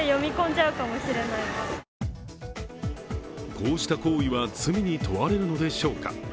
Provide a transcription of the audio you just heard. こうした行為は罪に問われるのでしょうか。